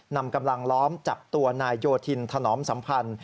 นำกำลังล้อมจับตัวนายโยธินถนอมสัมพันธ์